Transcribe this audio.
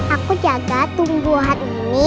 aku jaga tumbuhan ini